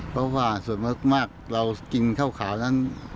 เพราะว่าส่วนมากเรากินข้าวขาวนั้น